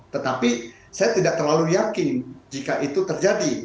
tetapi saya tidak terlalu yakin jika itu terjadi